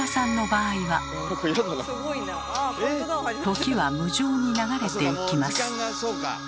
時は無情に流れていきます。